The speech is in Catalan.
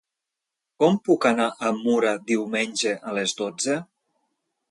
Com puc anar a Mura diumenge a les dotze?